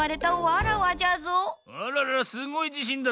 あららすごいじしんだ。